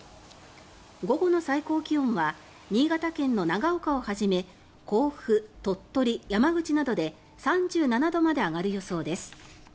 午後の最高気温は新潟県の長岡をはじめ甲府、鳥取、山口などで３７度まで上がる予想です。